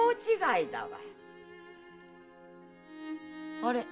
あれ？